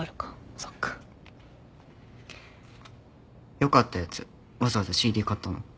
よかったやつわざわざＣＤ買ったの？